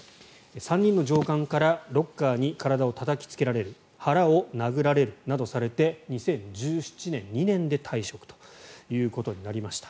３人の上官からロッカーに体をたたきつけられる腹を殴られるなどされて２０１７年２年で退職となりました。